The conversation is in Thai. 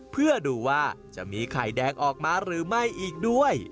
เพื่อดูว่าจะมีไข่แดงออกมาหรือไม่อีกด้วย